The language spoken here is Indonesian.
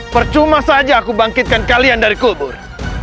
percuma saja aku bangkitkan kalian dari kubur